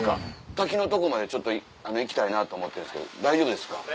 滝のとこまでちょっと行きたいなと思ってるんですけど大丈夫ですか？